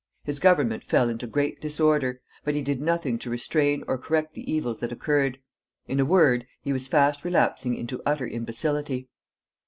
His government fell into great disorder, but he did nothing to restrain or correct the evils that occurred. In a word, he was fast relapsing into utter imbecility.